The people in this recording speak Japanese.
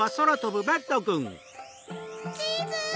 チーズ！